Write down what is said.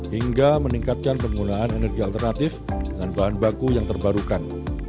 hingga meningkatkan penggunaan energi alternatif dengan bahan baku yang terbarukan